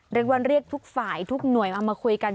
เรียกว่าเรียกทุกฝ่ายทุกหน่วยเอามาคุยกัน